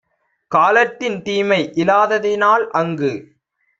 காலத்தின் தீமை இலாததினால் அங்கு